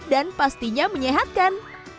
dan pastinya menyenangkan